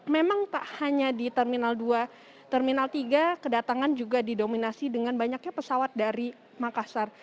memang tak hanya di terminal dua terminal tiga kedatangan juga didominasi dengan banyaknya pesawat dari makassar